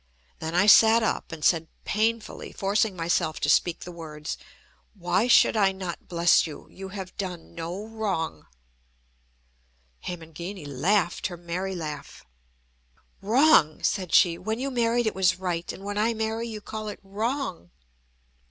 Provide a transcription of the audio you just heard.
Then I sat up, and said, painfully, forcing myself to speak the words: "Why should I not bless you? You have done no wrong." Hemangini laughed her merry laugh. "Wrong!" said she. "When you married it was right; and when I marry, you call it wrong!"